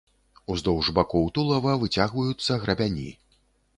Уздоўж бакоў тулава выцягваюцца грабяні.